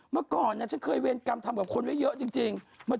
เมื่อก่อนฉันเคยเวรกรรมทำกับคนไว้เยอะจริง